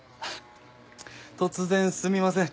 突然すみません。